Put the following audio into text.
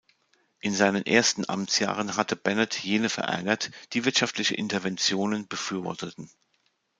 In seinen ersten Amtsjahren hatte Bennett jene verärgert, die wirtschaftliche Interventionen befürworteten.